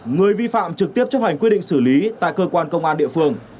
người vi phạm trực tiếp chấp hành quyết định xử lý tại cơ quan công an địa phương